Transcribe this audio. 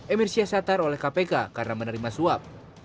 emir syahsatar oleh kpk karena menerima suap